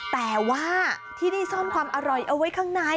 แต่ว่าที่นี่ซ่อมความอร่อยเอาไว้ข้างใน